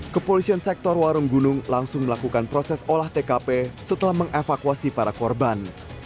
kepolisian sektor warung gunung langsung melakukan proses olah tkp setelah mengevakuasi para korban